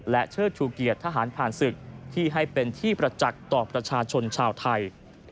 และเชิดชูเกียรติทหารผ่านศึกที่ให้เป็นที่ประจักษ์ต่อประชาชนชาวไทย